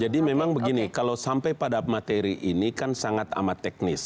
jadi memang begini kalau sampai pada materi ini kan sangat amat teknis